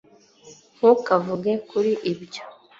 ntukavuge kuri ibyo